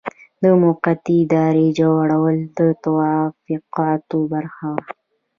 د موقتې ادارې جوړول د توافقاتو برخه وه.